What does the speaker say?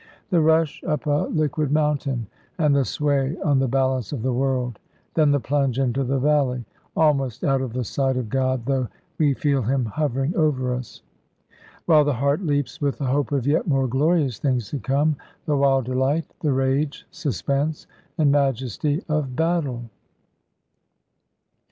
The rush up a liquid mountain, and the sway on the balance of the world, then the plunge into the valley, almost out of the sight of God, though we feel Him hovering over us. While the heart leaps with the hope of yet more glorious things to come the wild delight, the rage, suspense, and majesty of battle.